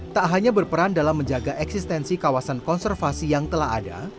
tak hanya berperan dalam menjaga eksistensi kawasan konservasi yang telah ada